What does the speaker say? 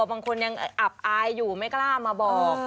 บางคนยังอับอายอยู่ไม่กล้ามาบอก